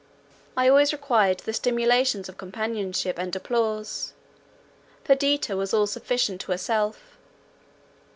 I always required the stimulants of companionship and applause. Perdita was all sufficient to herself.